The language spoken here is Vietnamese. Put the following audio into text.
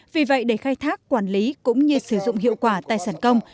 vì vậy để khai thác quản lý cũng như sử dụng hiệu quả tài sản công